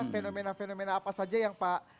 fenomena fenomena apa saja yang pak